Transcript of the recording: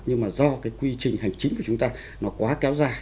nhưng mà do cái quy trình hành chính của chúng ta nó quá kéo dài